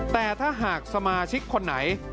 แต่ถ้าหากสมาชิกคนไหน